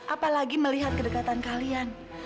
apalagi melihat kedekatan kalian